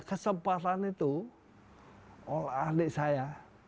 kesempatan itu oleh ahli saya